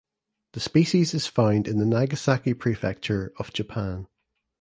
The species is found in the Nagasaki Prefecture of Japan.